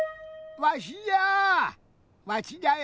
わしじゃよ！